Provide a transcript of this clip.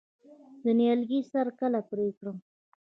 د نیالګي سر کله پرې کړم؟